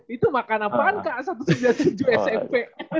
itu makan apaan kak satu ratus sembilan puluh tujuh smp